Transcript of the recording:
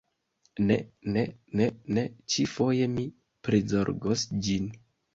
Ne, ne, ne, ne. Ĉi-foje mi prizorgos ĝin.